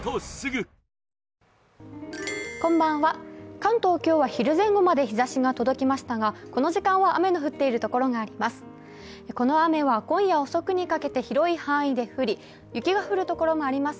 関東、今日は昼前後まで日ざしが届きましたがこの時間は雨の降っている所があります。